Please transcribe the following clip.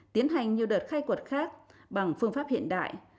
tiến hành nhiều đợt khai quật khác bằng phương pháp hiện đại